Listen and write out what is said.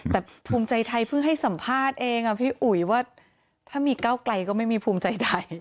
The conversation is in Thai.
แต่ภูมิใจไทยเพิ่งให้สัมภาษณ์เองพี่อุ๋ยว่าถ้ามีก้าวไกลก็ไม่มีภูมิใจไทย